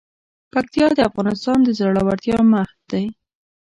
پکتیا د افغانستان د زړورتیا مهد دی.